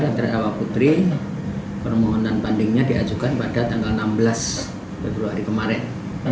dan terdakwa putri permohonan bandingnya diajukan pada tanggal enam belas februari kemarin